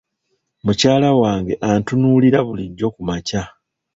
Mukyala wange antunuulira bulijjo ku makya.